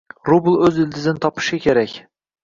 Rubl o'z ildizini topishi kerak